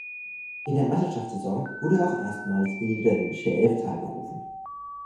In der Meisterschaftssaison wurde er auch erstmals in die niederländische "Elftal" berufen.